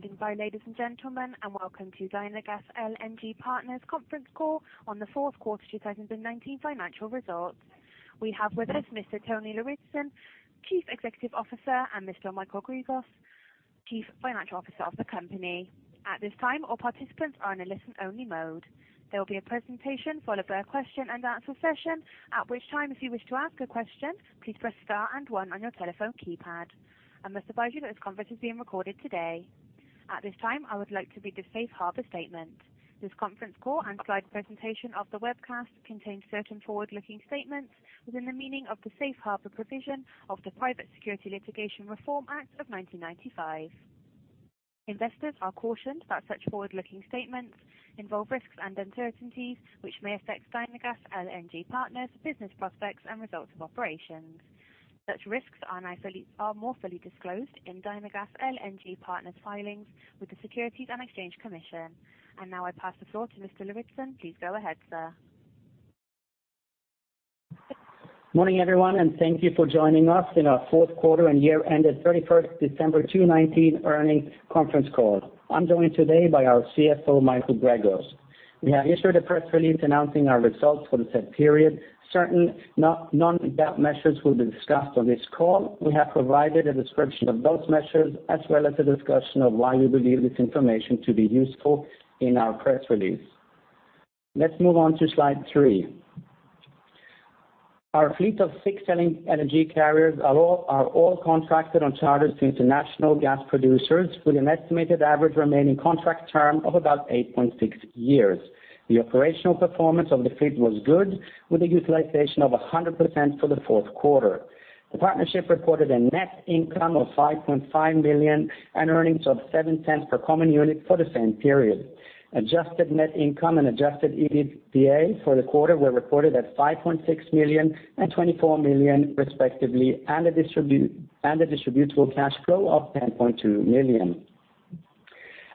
Thank you for standing by, ladies and gentlemen, and welcome to Dynagas LNG Partners conference call on the fourth quarter 2019 financial results. We have with us Mr. Tony Lauritzen, Chief Executive Officer, and Mr. Michael Gregos, Chief Financial Officer of the company. At this time, all participants are in a listen-only mode. There will be a presentation followed by a question and answer session, at which time, if you wish to ask a question, please press star and one on your telephone keypad. I must advise you that this conference is being recorded today. At this time, I would like to read the safe harbor statement. This conference call and slide presentation of the webcast contains certain forward-looking statements within the meaning of the safe harbor provision of the Private Securities Litigation Reform Act of 1995. Investors are cautioned that such forward-looking statements involve risks and uncertainties which may affect Dynagas LNG Partners business prospects and results of operations. Such risks are more fully disclosed in Dynagas LNG Partners filings with the Securities and Exchange Commission. Now I pass the floor to Mr. Lauritzen. Please go ahead, sir. Morning, everyone, and thank you for joining us in our fourth quarter and year-ended 31st December 2019 earnings conference call. I'm joined today by our CFO, Michael Gregos. We have issued a press release announcing our results for the said period. Certain non-GAAP measures will be discussed on this call. We have provided a description of those measures, as well as a discussion of why we believe this information to be useful in our press release. Let's move on to slide three. Our fleet of six LNG carriers are all contracted on charters to international gas producers with an estimated average remaining contract term of about 8.6 years. The operational performance of the fleet was good, with a utilization of 100% for the fourth quarter. The partnership reported a net income of $5.5 million and earnings of $0.07 per common unit for the same period. Adjusted net income and adjusted EBITDA for the quarter were reported at $5.6 million and $24 million, respectively, and a distributable cash flow of $10.2 million.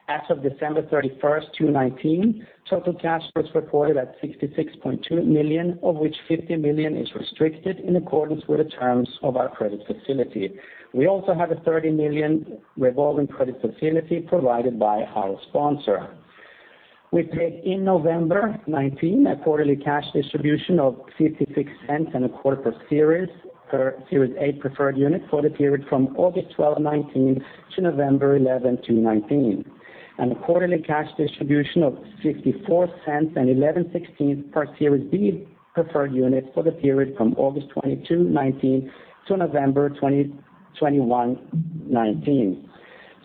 As of December 31st, 2019, total cash was reported at $66.2 million, of which $50 million is restricted in accordance with the terms of our credit facility. We also have a $30 million revolving credit facility provided by our sponsor. We paid in November 2019, a quarterly cash distribution of $0.5625 per Series A preferred unit for the period from August 12, 2019 to November 11, 2019, and a quarterly cash distribution of $0.546875 per Series B preferred unit for the period from August 22, 2019 to November 21, 2019.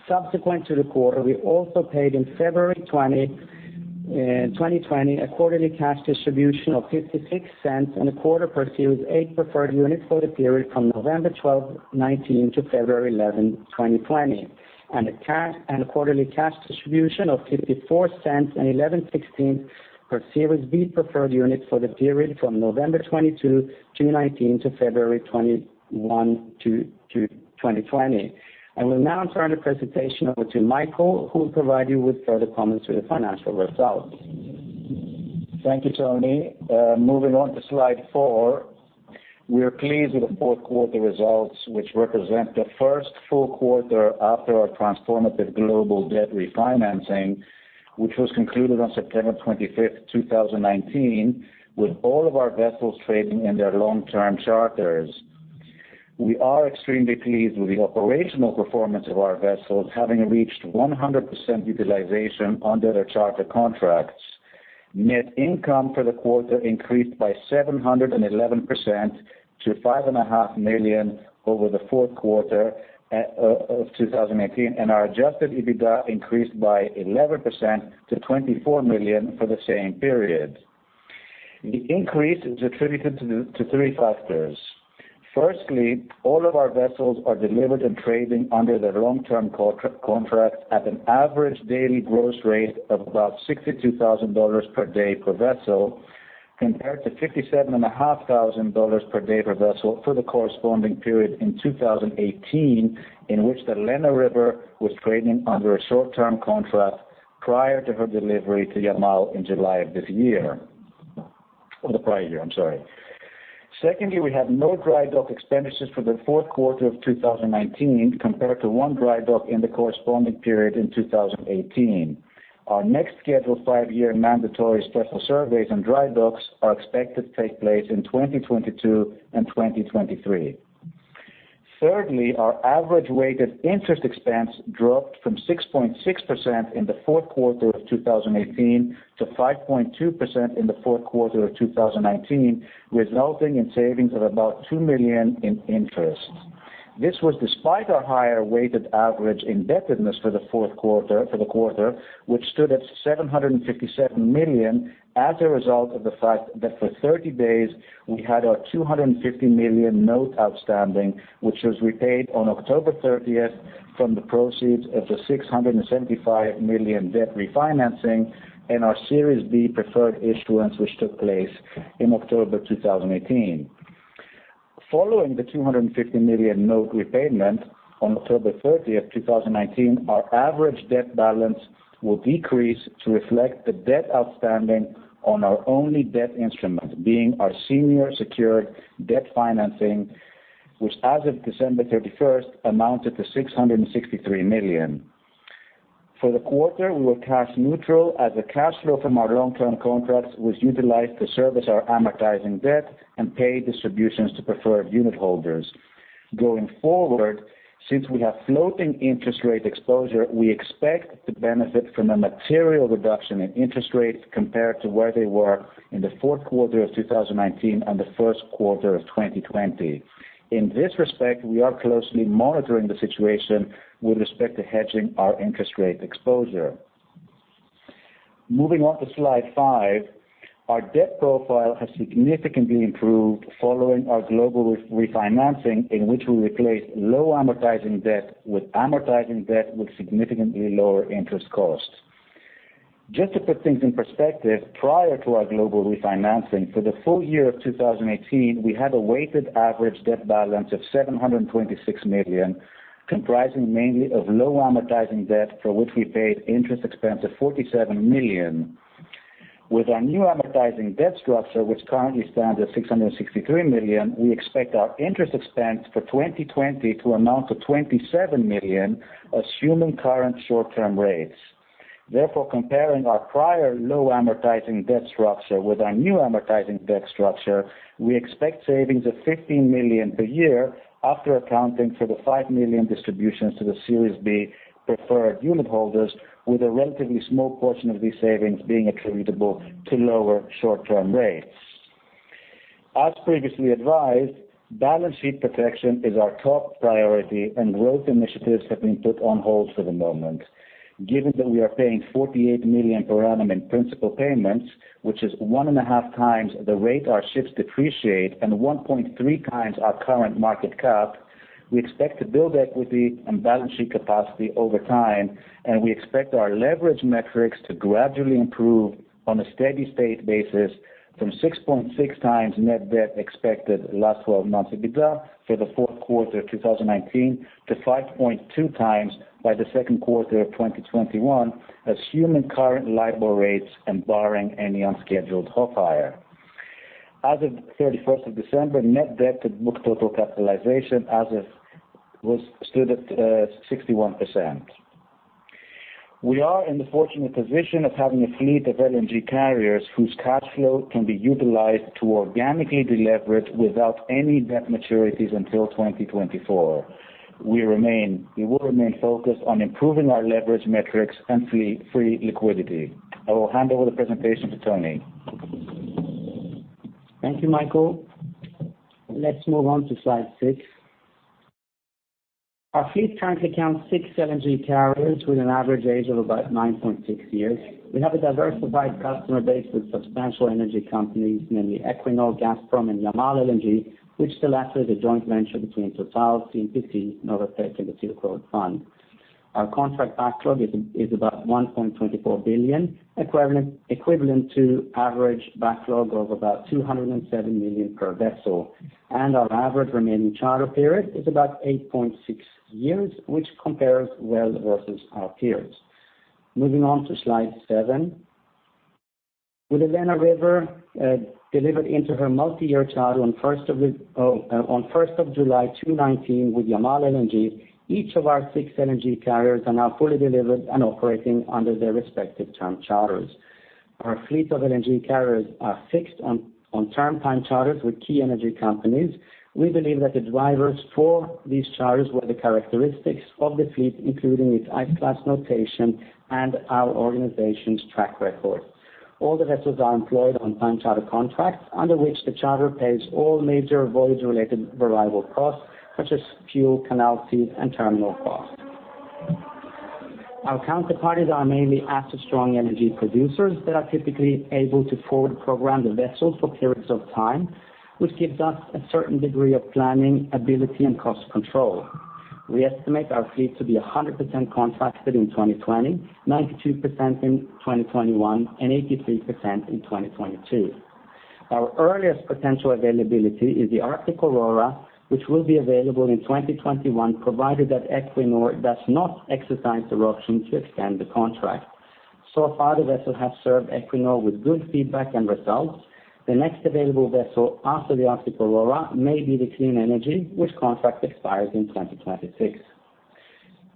Subsequent to the quarter, we also paid in February 2020, a quarterly cash distribution of $0.5625 per Series A preferred unit for the period from November 12, 2019 to February 11, 2020, and a quarterly cash distribution of $0.546875 per Series B preferred unit for the period from November 22, 2019 to February 21, 2020. I will now turn the presentation over to Michael, who will provide you with further comments to the financial results. Thank you, Tony. Moving on to slide four. We are pleased with the fourth quarter results, which represent the first full quarter after our transformative global debt refinancing, which was concluded on September 25th, 2019, with all of our vessels trading in their long-term charters. We are extremely pleased with the operational performance of our vessels, having reached 100% utilization under their charter contracts. Net income for the quarter increased by 711% to $5.5 million over the fourth quarter of 2018, and our adjusted EBITDA increased by 11% to $24 million for the same period. The increase is attributed to three factors. Firstly, all of our vessels are delivered and trading under their long-term contracts at an average daily gross rate of about $62,000 per day per vessel, compared to $57,500 per day per vessel for the corresponding period in 2018, in which the Lena River was trading under a short-term contract prior to her delivery to Yamal in July of this year. The prior year, I'm sorry. Secondly, we had no dry dock expenditures for the fourth quarter of 2019, compared to one dry dock in the corresponding period in 2018. Our next scheduled five-year mandatory special surveys and dry docks are expected to take place in 2022 and 2023. Thirdly, our average weighted interest expense dropped from 6.6% in the fourth quarter of 2018 to 5.2% in the fourth quarter of 2019, resulting in savings of about $2 million in interest. This was despite our higher weighted average indebtedness for the quarter, which stood at $757 million as a result of the fact that for 30 days, we had our $250 million note outstanding, which was repaid on October 30th from the proceeds of the $675 million debt refinancing and our Series B preferred issuance, which took place in October 2018. Following the $250 million note repayment on October 30th, 2019, our average debt balance will decrease to reflect the debt outstanding on our only debt instrument, being our senior secured debt financing, which as of December 31st, amounted to $663 million. For the quarter, we were cash neutral as the cash flow from our long-term contracts was utilized to service our amortizing debt and pay distributions to preferred unitholders. Going forward, since we have floating interest rate exposure, we expect to benefit from a material reduction in interest rates compared to where they were in the fourth quarter of 2019 and the first quarter of 2020. In this respect, we are closely monitoring the situation with respect to hedging our interest rate exposure. Moving on to slide five. Our debt profile has significantly improved following our global refinancing, in which we replaced low amortizing debt with amortizing debt with significantly lower interest costs. Just to put things in perspective, prior to our global refinancing, for the full year of 2018, we had a weighted average debt balance of $726 million, comprising mainly of low amortizing debt, for which we paid interest expense of $47 million. With our new amortizing debt structure, which currently stands at $663 million, we expect our interest expense for 2020 to amount to $27 million, assuming current short-term rates. Therefore, comparing our prior low amortizing debt structure with our new amortizing debt structure, we expect savings of $15 million per year after accounting for the $5 million distributions to the Series B preferred unitholders, with a relatively small portion of these savings being attributable to lower short-term rates. As previously advised, balance sheet protection is our top priority, and growth initiatives have been put on hold for the moment. Given that we are paying $48 million per annum in principal payments, which is 1.5x the rate our ships depreciate and 1.3x our current market cap, we expect to build equity and balance sheet capacity over time, and we expect our leverage metrics to gradually improve on a steady state basis from 6.6x net debt expected last 12 months EBITDA for the fourth quarter 2019 to 5.2x by the second quarter of 2021, assuming current LIBOR rates and barring any unscheduled off-hire. As of 31st of December, net debt to book total capitalization stood at 61%. We are in the fortunate position of having a fleet of LNG carriers whose cash flow can be utilized to organically deleverage without any debt maturities until 2024. We will remain focused on improving our leverage metrics and free liquidity. I will hand over the presentation to Tony. Thank you, Michael. Let's move on to slide six. Our fleet currently counts six LNG carriers with an average age of about 9.6 years. We have a diversified customer base with substantial energy companies, namely Equinor, Gazprom, and Yamal LNG, which selected a joint venture between Total, CNPC, Novatek, and the Silk Road Fund. Our contract backlog is about $1.24 billion, equivalent to average backlog of about $207 million per vessel. Our average remaining charter period is about 8.6 years, which compares well versus our peers. Moving on to slide seven. With Lena River delivered into her multiyear charter on 1st of July 2019 with Yamal LNG, each of our six LNG carriers are now fully delivered and operating under their respective term charters. Our fleet of LNG carriers are fixed on term time charters with key energy companies. We believe that the drivers for these charters were the characteristics of the fleet, including its ice class notation and our organization's track record. All the vessels are employed on time charter contracts, under which the charter pays all major voyage related variable costs such as fuel, canal fees, and terminal costs. Our counterparties are mainly asset strong energy producers that are typically able to forward program the vessels for periods of time, which gives us a certain degree of planning ability and cost control. We estimate our fleet to be 100% contracted in 2020, 92% in 2021, and 83% in 2022. Our earliest potential availability is the Arctic Aurora, which will be available in 2021, provided that Equinor does not exercise the option to extend the contract. The vessels have served Equinor with good feedback and results. The next available vessel after the Arctic Aurora may be the Clean Energy, which contract expires in 2026.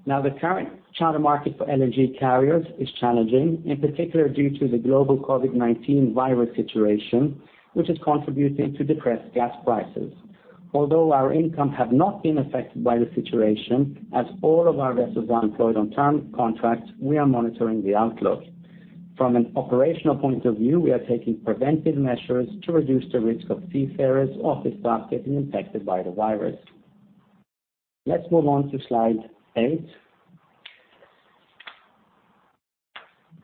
Now, the current charter market for LNG carriers is challenging, in particular due to the global COVID-19 virus situation, which is contributing to depressed gas prices. Although our income have not been affected by the situation, as all of our vessels are employed on term contracts, we are monitoring the outlook. From an operational point of view, we are taking preventive measures to reduce the risk of seafarers or the staff getting infected by the virus. Let's move on to slide eight.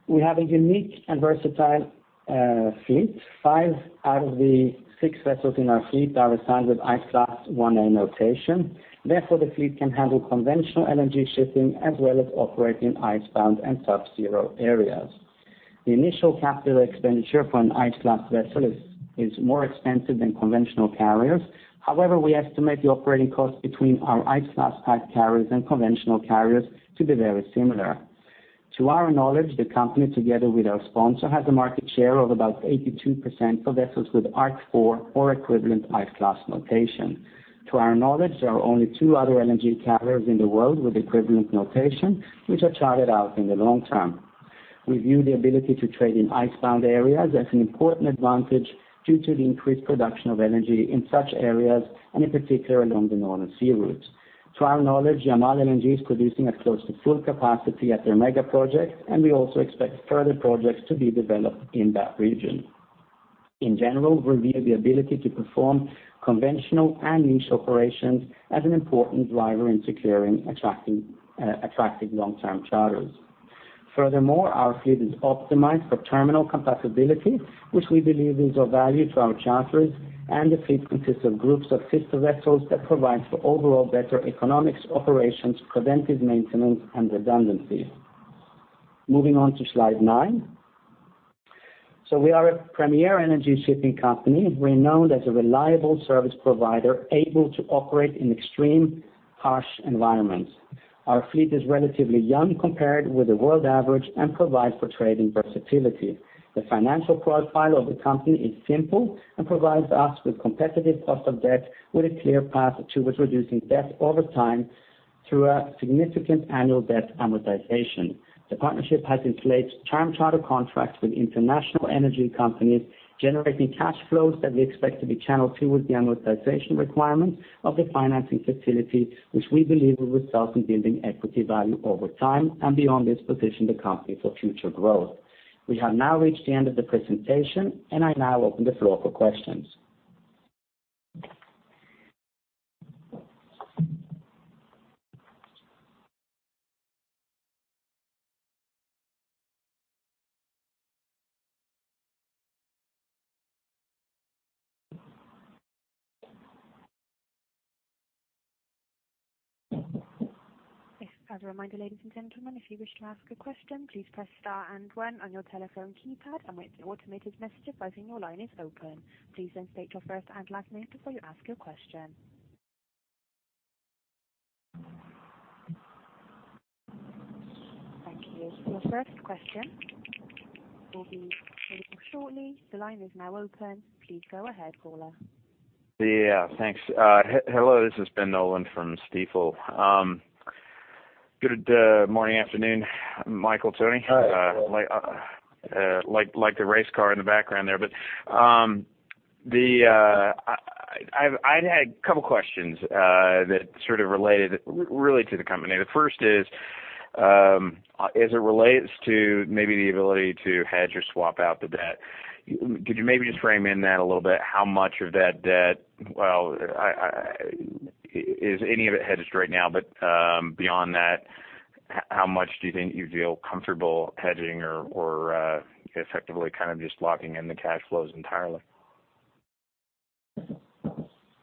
We have a unique and versatile fleet. Five out of the six vessels in our fleet are assigned with ice class 1A notation. Therefore, the fleet can handle conventional LNG shipping as well as operate in icebound and subzero areas. The initial capital expenditure for an ice class vessel is more expensive than conventional carriers. We estimate the operating cost between our ice class type carriers and conventional carriers to be very similar. To our knowledge, the company, together with our sponsor, has a market share of about 82% for vessels with ARC 4 or equivalent ice class notation. To our knowledge, there are only two other LNG carriers in the world with equivalent notation, which are chartered out in the long term. We view the ability to trade in icebound areas as an important advantage due to the increased production of energy in such areas, and in particular, along the Northern Sea Routes. To our knowledge, Yamal LNG is producing at close to full capacity at their mega project, and we also expect further projects to be developed in that region. In general, we view the ability to perform conventional and niche operations as an important driver into clearing attractive long-term charters. Furthermore, our fleet is optimized for terminal compatibility, which we believe is of value to our charterers, and the fleet consists of groups of sister vessels that provides for overall better economics operations, preventive maintenance, and redundancy. Moving on to slide nine. We are a premier energy shipping company. We are known as a reliable service provider able to operate in extreme harsh environments. Our fleet is relatively young compared with the world average and provides for trading versatility. The financial profile of the company is simple and provides us with competitive cost of debt, with a clear path towards reducing debt over time through a significant annual debt amortization. The partnership has in place term charter contracts with international energy companies, generating cash flows that we expect to be channeled towards the amortization requirements of the financing facility, which we believe will result in building equity value over time and beyond this position the company for future growth. I now open the floor for questions. As a reminder, ladies and gentlemen, if you wish to ask a question, please press star and one on your telephone keypad and wait for the automated message advising your line is open. Please state your first and last name before you ask your question. Thank you. Your first question will be coming shortly. The line is now open. Please go ahead, caller. Yeah, thanks. Hello, this is Ben Nolan from Stifel. Good morning, afternoon, Michael, Tony. Hi. I liked the race car in the background there. I had a couple questions that sort of related really to the company. The first is, as it relates to maybe the ability to hedge or swap out the debt, could you maybe just frame in that a little bit, how much of that debt, well, is any of it hedged right now? Beyond that, how much do you think you feel comfortable hedging or effectively kind of just locking in the cash flows entirely?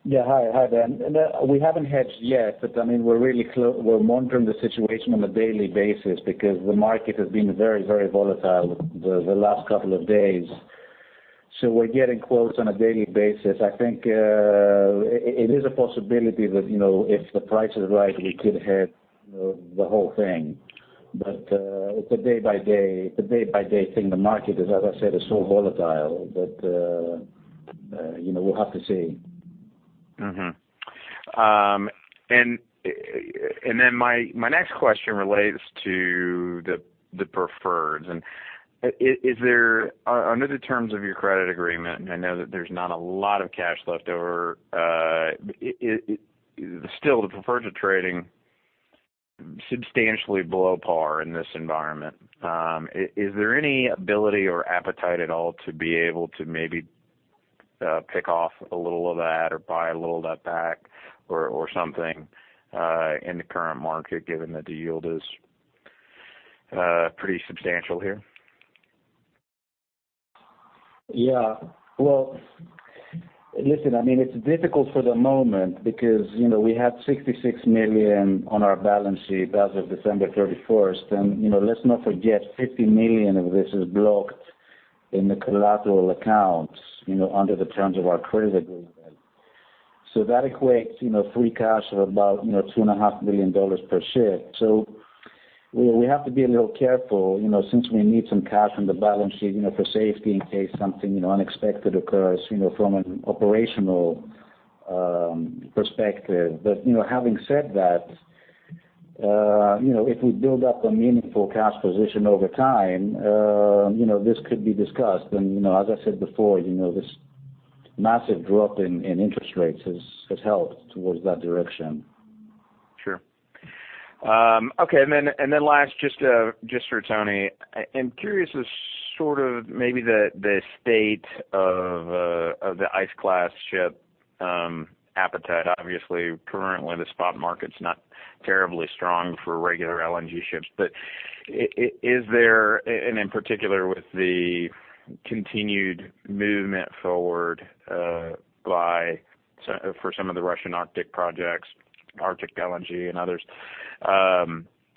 Yeah. Hi, Ben. We haven't hedged yet, but we're monitoring the situation on a daily basis because the market has been very volatile the last couple of days. We're getting quotes on a daily basis. I think it is a possibility that, if the price is right, we could hedge the whole thing. It's a day by day thing. The market is, as I said, so volatile that we'll have to see. My next question relates to the preferreds. Under the terms of your credit agreement, I know that there's not a lot of cash left over. Still, the preferreds are trading substantially below par in this environment. Is there any ability or appetite at all to be able to maybe pick off a little of that or buy a little of that back or something in the current market, given that the yield is pretty substantial here? Well, listen, it's difficult for the moment because we had $66 million on our balance sheet as of December 31st, and let's not forget, $50 million of this is blocked in the collateral accounts under the terms of our credit agreement. That equates free cash of about $2.5 million per ship. We have to be a little careful since we need some cash on the balance sheet for safety in case something unexpected occurs from an operational perspective. Having said that, if we build up a meaningful cash position over time, this could be discussed. As I said before, this massive drop in interest rates has helped towards that direction. Sure. Okay, last, just for Tony, I'm curious as sort of maybe the state of the ice class ship appetite. Obviously, currently, the spot market's not terribly strong for regular LNG carriers. Is there, and in particular, with the continued movement forward for some of the Russian Arctic projects, Arctic LNG and others,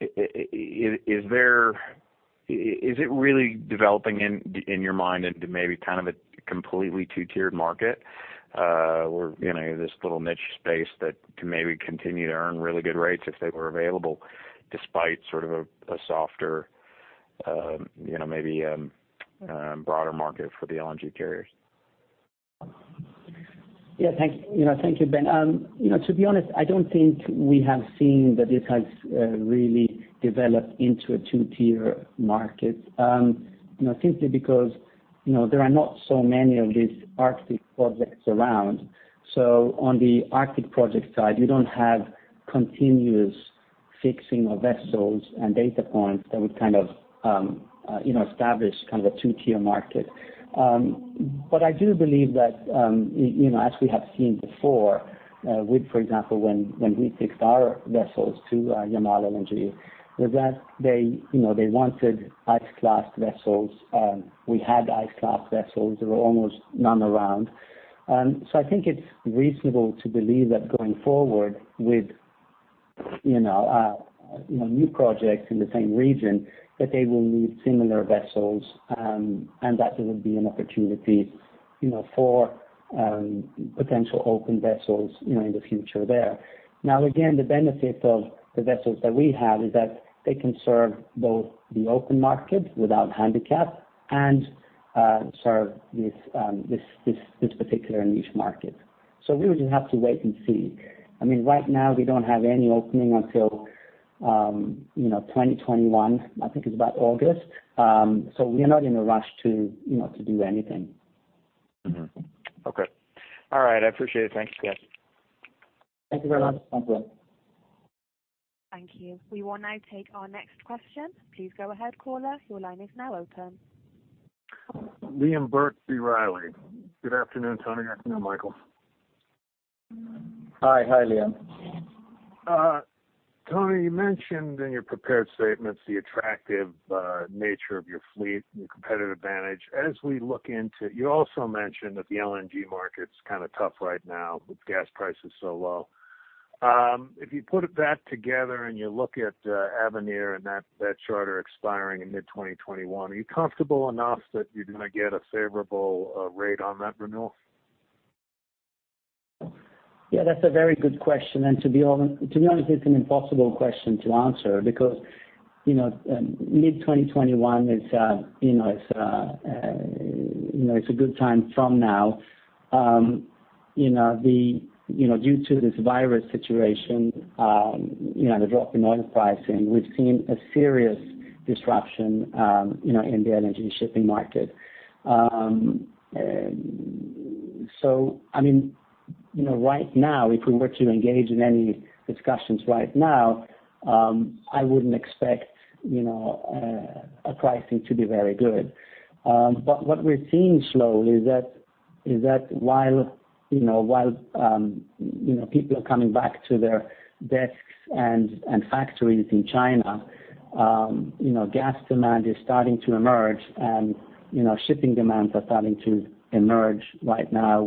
is it really developing in your mind into maybe kind of a completely two-tiered market where this little niche space that could maybe continue to earn really good rates if they were available despite sort of a softer maybe broader market for the LNG carriers? Yeah. Thank you, Ben. To be honest, I don't think we have seen that this has really developed into a two-tier market. Simply because there are not so many of these Arctic projects around. On the Arctic project side, you don't have continuous fixing of vessels and data points that would kind of establish a two-tier market. I do believe that, as we have seen before, with, for example, when we fixed our vessels to Yamal LNG, was that they wanted ice class vessels. We had ice class vessels. There were almost none around. I think it's reasonable to believe that going forward with new projects in the same region, that they will need similar vessels, and that there will be an opportunity for potential open vessels in the future there. Now, again, the benefit of the vessels that we have is that they can serve both the open market without handicap and serve this particular niche market. We would just have to wait and see. Right now, we don't have any opening until 2021, I think it's about August. We are not in a rush to do anything. Okay. All right. I appreciate it. Thanks again. Thank you very much. Thank you. We will now take our next question. Please go ahead, caller. Your line is now open. Liam Burke, B. Riley. Good afternoon, Tony. Afternoon, Michael. Hi, Liam. Tony, you mentioned in your prepared statements the attractive nature of your fleet and your competitive advantage. You also mentioned that the LNG market's kind of tough right now with gas prices so low. If you put that together and you look at Avenir and that charter expiring in mid 2021, are you comfortable enough that you're going to get a favorable rate on that renewal? Yeah, that's a very good question. To be honest, it's an impossible question to answer because mid 2021 is a good time from now. Due to this virus situation, the drop in oil pricing, we've seen a serious disruption in the LNG shipping market. Right now, if we were to engage in any discussions right now, I wouldn't expect a pricing to be very good. What we're seeing slowly is that while people are coming back to their desks and factories in China, gas demand is starting to emerge, and shipping demands are starting to emerge right now,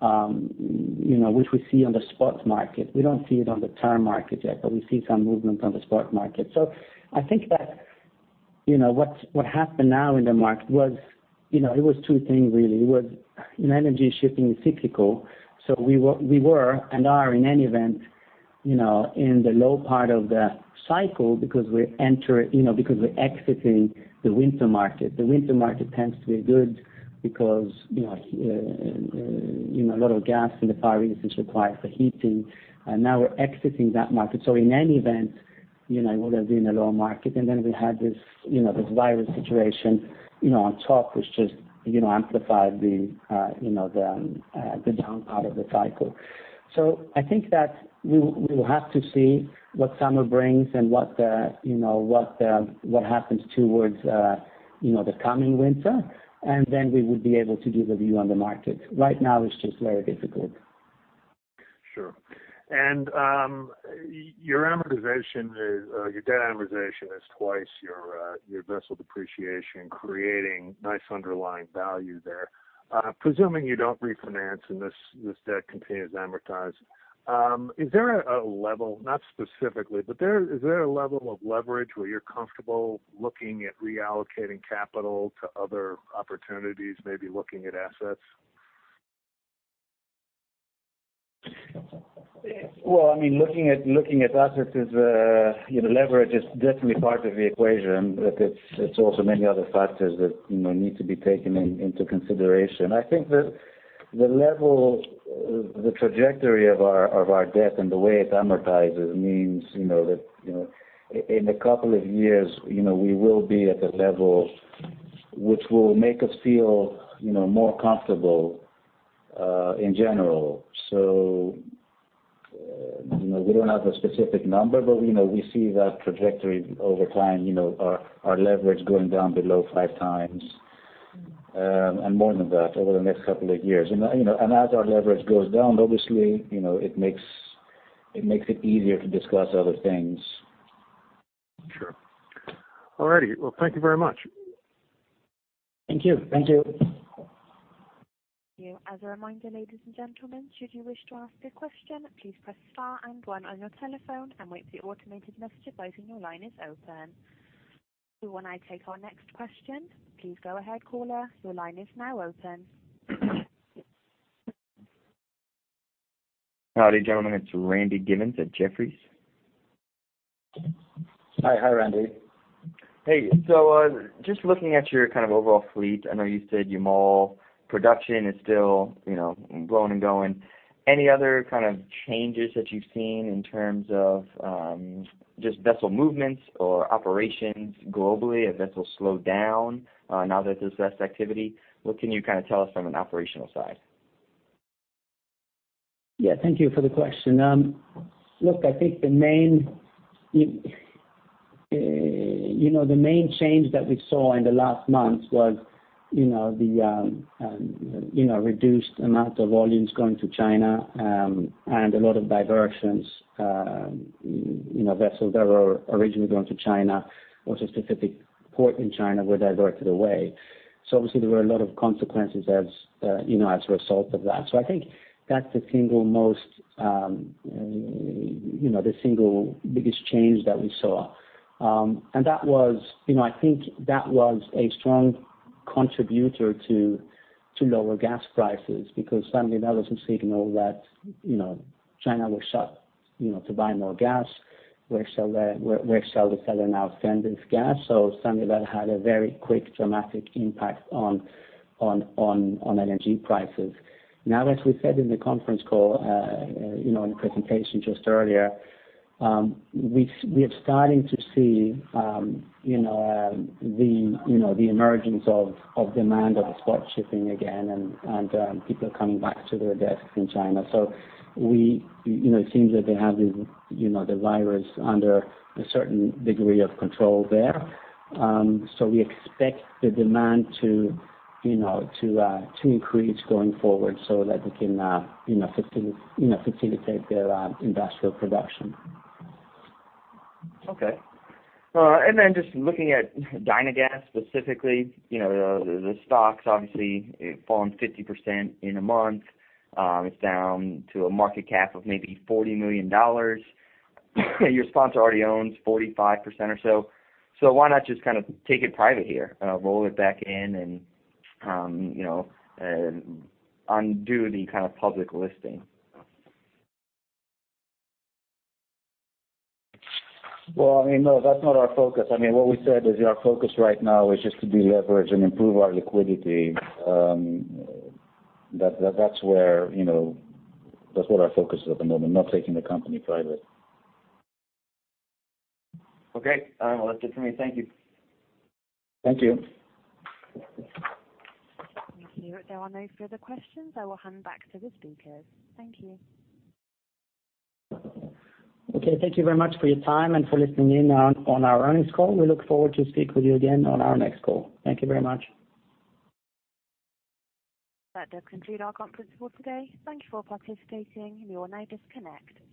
which we see on the spot market. We don't see it on the term market yet, but we see some movement on the spot market. I think that what happened now in the market was two things, really. It was, energy shipping is cyclical, so we were, and are in any event, in the low part of the cycle because we're exiting the winter market. The winter market tends to be good because a lot of gas in the Far East is required for heating, and now we're exiting that market. In any event, it would have been a low market. Then we had this virus situation on top, which just amplified the down part of the cycle. I think that we will have to see what summer brings and what happens towards the coming winter, and then we would be able to give a view on the market. Right now, it's just very difficult. Sure. Your debt amortization is twice your vessel depreciation, creating nice underlying value there. Presuming you don't refinance and this debt continues to amortize, is there a level, not specifically, but is there a level of leverage where you're comfortable looking at reallocating capital to other opportunities, maybe looking at assets? Looking at assets is, leverage is definitely part of the equation, but it's also many other factors that need to be taken into consideration. I think that the level, the trajectory of our debt and the way it amortizes means that in a couple of years, we will be at a level which will make us feel more comfortable in general. We don't have a specific number, but we see that trajectory over time, our leverage going down below 5x, and more than that over the next couple of years. As our leverage goes down, obviously, it makes it easier to discuss other things. Sure. All righty. Well, thank you very much. Thank you. Thank you. As a reminder, ladies and gentlemen, should you wish to ask a question, please press star and one on your telephone and wait for the automated message advising your line is open. We will now take our next question. Please go ahead, caller. Your line is now open. Howdy, gentlemen. It's Randy Giveans at Jefferies. Hi, Randy. Hey, just looking at your kind of overall fleet, I know you said Yamal production is still blowing and going. Any other kind of changes that you've seen in terms of just vessel movements or operations globally? Have vessels slowed down now that there's less activity? What can you kind of tell us from an operational side? Yeah. Thank you for the question. Look, I think the main change that we saw in the last month was the reduced amount of volumes going to China, and a lot of diversions. Vessels that were originally going to China, or to a specific port in China, were diverted away. Obviously there were a lot of consequences as a result of that. I think that's the single biggest change that we saw. I think that was a strong contributor to lower gas prices, because suddenly that was a signal that China was shut to buy more gas. Where shall the seller now send this gas? Suddenly that had a very quick, dramatic impact on energy prices. As we said in the conference call, in the presentation just earlier, we are starting to see the emergence of demand of spot shipping again, and people are coming back to their desks in China. It seems that they have the virus under a certain degree of control there. We expect the demand to increase going forward so that we can facilitate their industrial production. Okay. Just looking at Dynagas specifically, the stock's obviously fallen 50% in a month. It's down to a market cap of maybe $40 million. Your sponsor already owns 45% or so. Why not just kind of take it private here, roll it back in and undo the kind of public listing? Well, no, that's not our focus. What we said is our focus right now is just to deleverage and improve our liquidity. That's what our focus is at the moment, not taking the company private. Okay. Well, that's it for me. Thank you. Thank you. Thank you. If there are no further questions, I will hand back to the speakers. Thank you. Okay. Thank you very much for your time and for listening in on our earnings call. We look forward to speak with you again on our next call. Thank you very much. That does conclude our conference call today. Thank you for participating. You may now disconnect.